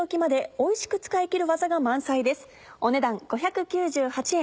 お値段５９８円。